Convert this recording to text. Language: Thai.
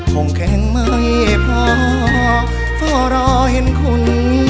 คงแข็งไม่พอเฝ้ารอเห็นคุณ